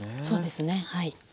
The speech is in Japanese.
そうですねはい。